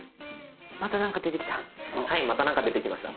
また何か出てきた。